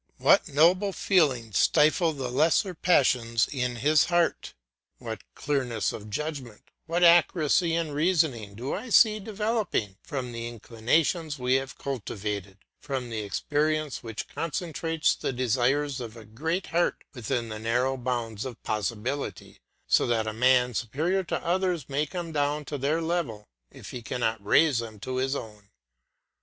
What noble feelings stifle the lesser passions in his heart! What clearness of judgment, what accuracy in reasoning, do I see developing from the inclinations we have cultivated, from the experience which concentrates the desires of a great heart within the narrow bounds of possibility, so that a man superior to others can come down to their level if he cannot raise them to his own!